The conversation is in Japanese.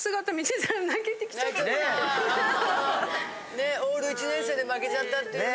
ねえオール１年生で負けちゃったっていうのね。